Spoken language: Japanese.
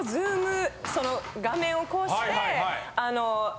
画面をこうして。